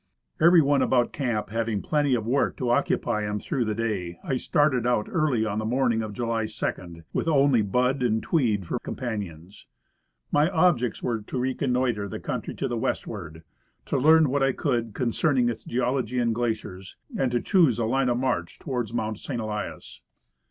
Every one about camp having plenty of work to occupy him through the day, I started out early on the morning of July 2, with only " Bud " and " Tweed " for companions. My objects were to reconnoiter the country to the westward, to learn what I could concerning its geology and glaciers, and to choose a line of march toward Mount St. Elias.